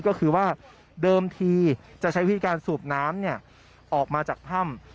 ก็คือว่าเดิมทีจะใช้วิธีการสูบน้ำออกมาจากถ้ำ